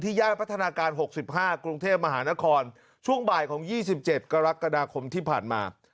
ย่านพัฒนาการ๖๕กรุงเทพมหานครช่วงบ่ายของ๒๗กรกฎาคมที่ผ่านมา